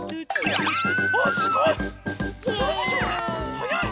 はやい！